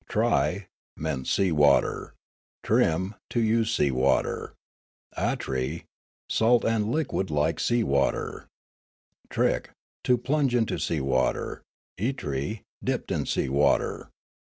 " Tri " meant " sea water "; "trim," "to. use sea water"; " atri," "salt and liquid like sea water"; " trik," " to plunge intosea water ";" itri," " dipped in sea water."